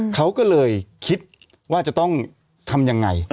เขาก็เลยคิดว่าจะต้องทำยังไง